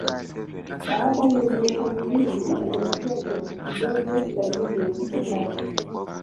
Baada ya miaka miwili alipokea cheti kidogo cha elimu ya sekondari.